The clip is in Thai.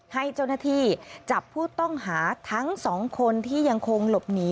ให้เจ้าหน้าที่จับผู้ต้องหาทั้งสองคนที่ยังคงหลบหนี